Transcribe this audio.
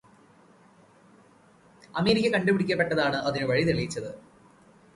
America കണ്ടുപിടിക്കപ്പെട്ടതാണ് അതിനു് വഴിതെളിയിച്ചതു്.